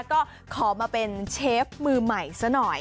ก็ขอมาเป็นเชฟมือใหม่ซะหน่อย